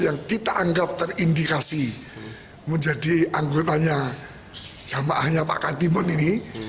yang kita anggap terindikasi menjadi anggotanya jamaahnya pak katimun ini